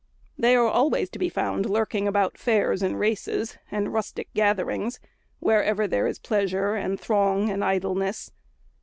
They are always to be found lurking about fairs and races, and rustic gatherings, wherever there is pleasure, and throng, and idleness.